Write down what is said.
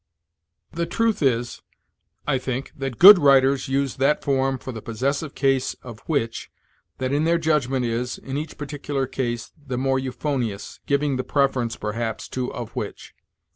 The truth is, I think, that good writers use that form for the possessive case of which that in their judgment is, in each particular case, the more euphonious, giving the preference, perhaps, to of which.